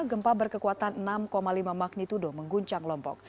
gempa berkekuatan enam lima magnitudo mengguncang lombok